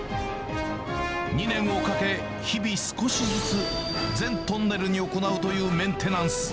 ２年をかけ、日々、少しずつ全トンネルに行うというメンテナンス。